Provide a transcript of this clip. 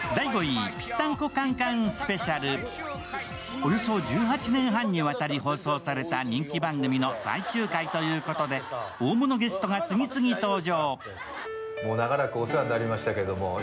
およそ１８年半にわたり放送された人気番組の最終回ということで、大物ゲストが次々登場。